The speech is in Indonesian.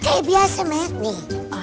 kayak biasa met nih